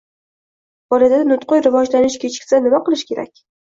Bolada nutqiy rivojlanish kechiksa nima qilish kerak?